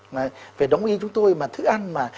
mà phải đồng ý chúng tôi mà thức ăn mà